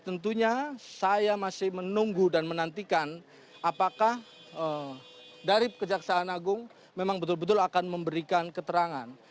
tentunya saya masih menunggu dan menantikan apakah dari kejaksaan agung memang betul betul akan memberikan keterangan